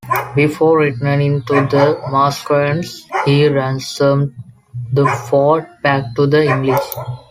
Before returning to the Mascarenes, he ransomed the fort back to the English.